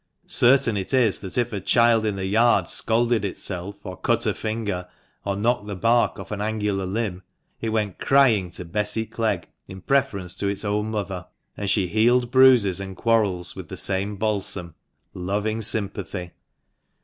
Certain it is that if a child in the yard scalded itself, or cut a finger, or knocked the bark off an angular limb, it went crying to Bessy Clegg in preference to its own mother ; and she healed bruises and quarrels with the same balsam — loving sympathy.